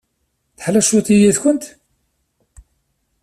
Teḥla cwiṭ yaya-tkent?